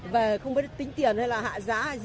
về không biết tính tiền hay là hạ giá hay gì